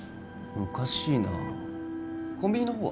おかしいなコンビニのほうは？